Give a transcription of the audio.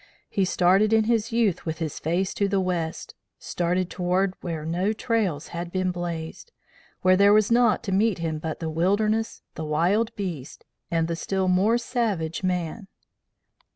He started in his youth with his face to the West; started toward where no trails had been blazed, where there was naught to meet him but the wilderness, the wild beast, and the still more savage man.